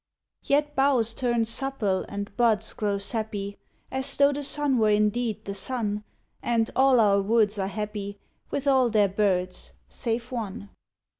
Yet boughs turn supple and buds grow sappy, As though the sun were indeed the sun: And all our woods are happy With all their birds save one.